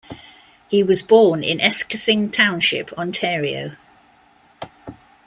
He was born in Esquesing Township, Ontario.